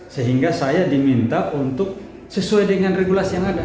sehingga saya diminta untuk sesuai dengan regulasi yang ada